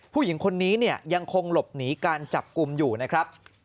ผู้หญิงคนนี้เนี่ยยังคงหลบหนีการจับกลุ่มอยู่นะครับ